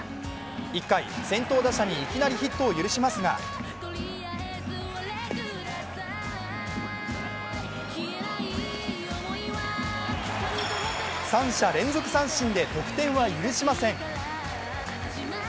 １回、先頭打者にいきなりヒットを許しますが三者連続三振で得点は許しません。